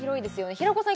平子さん